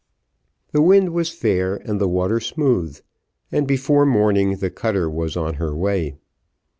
The wind was fair and the water smooth, and, before morning, the cutter was on her way.